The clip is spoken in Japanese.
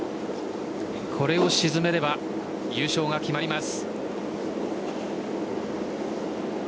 これを沈めれば優勝が決まります。